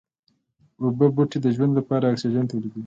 اوبو بوټي د ژوند لپاره اکسيجن توليدوي